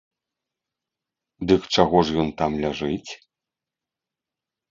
Дык чаго ж ён там ляжыць?